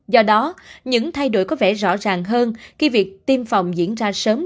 do đó những thay đổi có vẻ rõ ràng hơn khi việc tiêm phòng diễn ra sớm